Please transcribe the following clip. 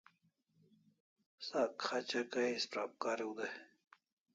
Sak khacha kay isprap kariu day